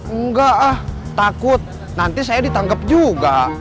enggak ah takut nanti saya ditangkap juga